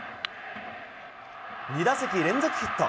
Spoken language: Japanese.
２打席連続ヒット。